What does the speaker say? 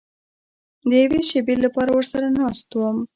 د یوې شېبې لپاره ورسره ناست وم.